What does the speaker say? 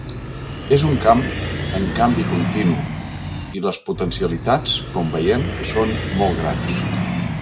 És un camp en canvi continu i les potencialitats, com veiem, són molt grans.